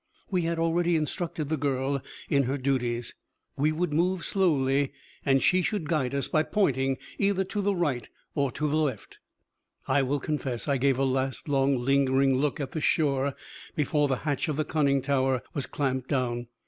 We had already instructed the girl in her duties: we would move slowly, and she should guide us, by pointing either to the right or the left. I will confess I gave a last long, lingering look at the shore before the hatch of the conning tower was clamped down.